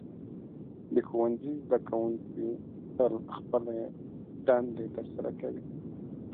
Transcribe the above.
د ښوونځي زده کوونکي تل خپلې دندې ترسره کوي.